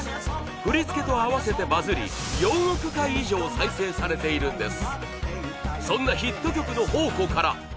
振付と合わせてバズり４億回以上再生されているんです。